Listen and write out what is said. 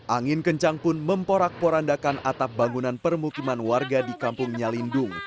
angin kencang pun memporak porandakan atap bangunan permukiman warga di kampung nyalindung